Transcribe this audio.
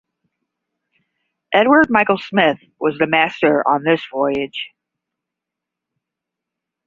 Edward Michael Smith was the master on this voyage.